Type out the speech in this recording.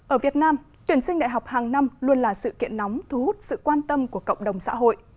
ở việt nam tuyển sinh đại học hàng năm luôn là sự kiện nóng thu hút sự quan tâm của cộng đồng xã hội